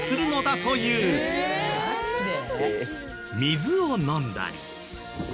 水を飲んだり。